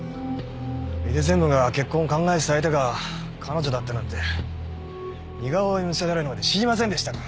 井出専務が結婚を考えてた相手が彼女だったなんて似顔絵見せられるまで知りませんでしたから。